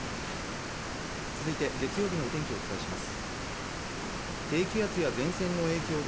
月曜日のお天気をお伝えします。